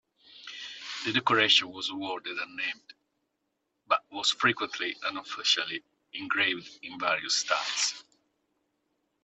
The decoration was awarded unnamed, but was frequently unofficially engraved in various styles.